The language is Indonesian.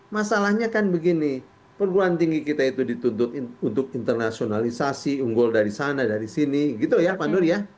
masalahnya kan begini perguruan tinggi kita itu dituntut untuk internasionalisasi unggul dari sana dari sini gitu ya pak nur ya